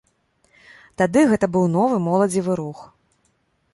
Тады гэта быў новы моладзевы рух.